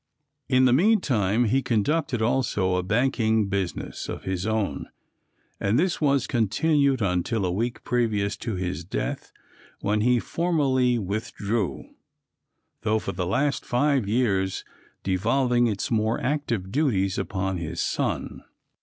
In the meantime he conducted, also, a banking business of his own, and this was continued until a week previous to his death, when he formally withdrew, though for the last five years devolving its more active duties upon his son.